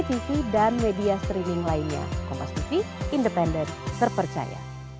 semoga tidak berapa apapun